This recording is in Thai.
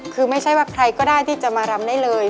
คือไม่ใช่ว่าใครก็ได้ที่จะมารำได้เลย